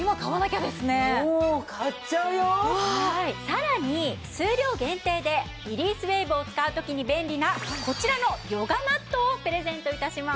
さらに数量限定でリリースウェーブを使う時に便利なこちらのヨガマットをプレゼント致します。